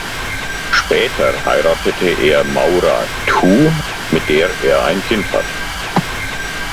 Später heiratete er Maura Dhu, mit der er ein Kind hat.